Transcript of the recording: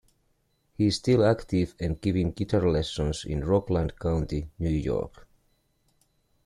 He is still active and giving guitar lessons in Rockland County, New York.